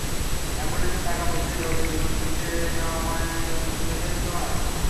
অ্যাম্বুলেন্সে থাকা প্রতিটা লোকের জীবন চুষে নেয়া শেষ হয়েছে তোমার?